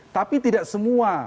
tapi tidak semua